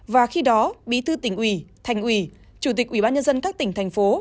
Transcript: và khi đó bí thư tỉnh ủy thành ủy chủ tịch ủy ban nhân dân các tỉnh thành phố